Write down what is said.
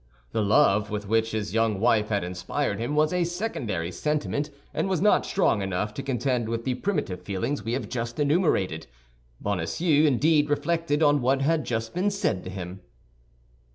The love with which his young wife had inspired him was a secondary sentiment, and was not strong enough to contend with the primitive feelings we have just enumerated. Bonacieux indeed reflected on what had just been said to him.